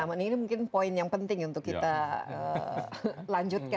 nah ini mungkin poin yang penting untuk kita lanjutkan